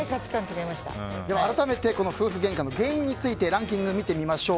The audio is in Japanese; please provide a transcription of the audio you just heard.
改めて夫婦げんかの原因についてランキング見てみましょう。